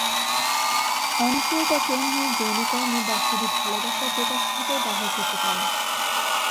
অনেকে এটাকে মূল যৌনকর্ম বা শুধু ভালোবাসার প্রকাশ হিসেবে ব্যবহার করতে পারেন।